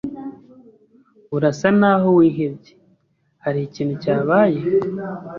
Urasa naho wihebye. Hari ikintu cyabaye?